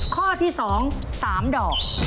ข้อที่๒สามดอก